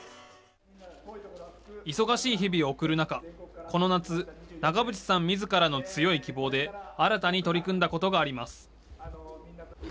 忙しい日々を送る中、この夏、長渕さんみずからの強い希望で、新たに取り組んだことがあります。